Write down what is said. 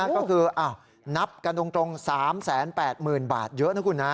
ก็คือนับกันตรง๓๘๐๐๐บาทเยอะนะคุณนะ